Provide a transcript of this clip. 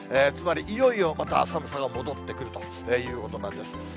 つまりいよいよまた寒さが戻ってくるということなんです。